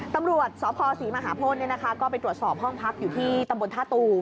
ตำรวจสอบคอศรีมหาโพธิ์นี่นะคะก็ไปตรวจสอบห้องพักอยู่ที่ตำบลธาตุ